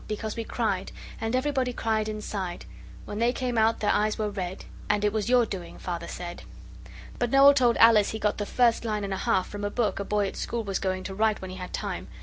because we cried And everybody cried inside When they came out their eyes were red And it was your doing Father said. But Noel told Alice he got the first line and a half from a book a boy at school was going to write when he had time.